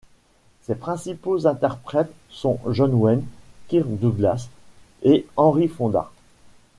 Ses principaux interprètes sont John Wayne, Kirk Douglas et Henry Fonda.